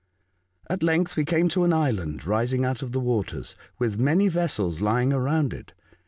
At length we came to an island rising out of the waters, with many vessels lying around it.